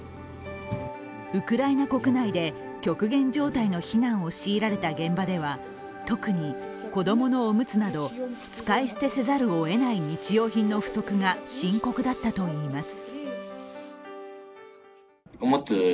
ウクライナ国内で極限状態の避難を強いられた現場では特に、子供のおむつなど使い捨てざるをえない日用品の不足が深刻だったといいます。